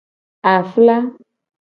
Afla.